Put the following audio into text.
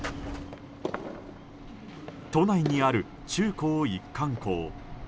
都内にある中高一貫校。